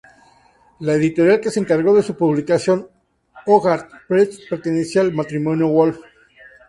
La editorial que se encargó de su publicación, Hogarth Press, pertenecía al matrimonio Woolf.